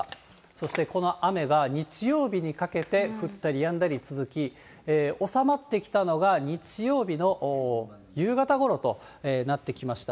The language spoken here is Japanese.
そしてこの雨が日曜日にかけて、降ったりやんだり続き、収まってきたのが日曜日の夕方ごろとなってきました。